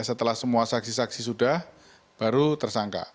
setelah semua saksi saksi sudah baru tersangka